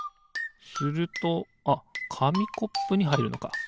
するとあっかみコップにはいるのか。